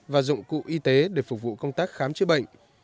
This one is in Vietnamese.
và dụng cụ y tế để phục vụ công tác khám chữa bệnh